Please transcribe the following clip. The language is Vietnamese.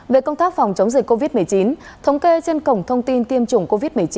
về công tác phòng chống dịch covid một mươi chín thống kê trên cổng thông tin tiêm chủng covid một mươi chín